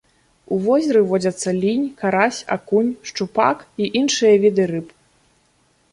У возеры водзяцца лінь, карась, акунь, шчупак і іншыя віды рыб.